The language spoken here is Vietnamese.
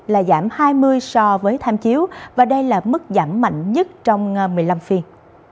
là giảm hai mươi so với tham chiếu và đây là mức giảm mạnh nhất trong một mươi năm phiên